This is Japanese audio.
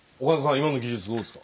今の技術どうですか？